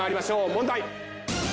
問題。